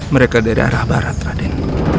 mereka dari arah barat raden